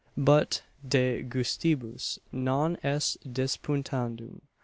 But de gustibus non est disputandum.